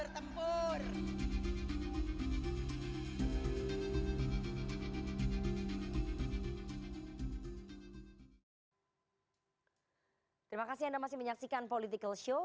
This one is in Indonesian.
terima kasih anda masih menyaksikan political show